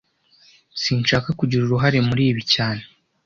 Sinshaka kugira uruhare muri ibi cyane